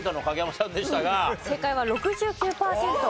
正解は６９パーセントでした。